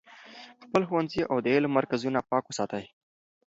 خپل ښوونځي او د علم مرکزونه پاک وساتئ.